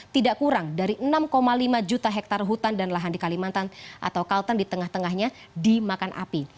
tidak kurang dari enam lima juta hektare hutan dan lahan di kalimantan atau kalteng di tengah tengahnya dimakan api